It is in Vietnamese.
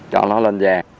chọn nó lên giàn